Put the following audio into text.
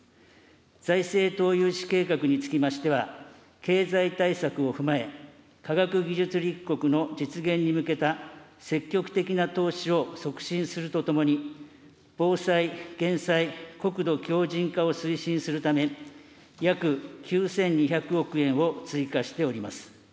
財政投融資計画につきましては、経済対策を踏まえ、科学技術立国の実現に向けた積極的な投資を促進するとともに、防災・減災、国土強じん化を推進するため、約９２００億円を追加しております。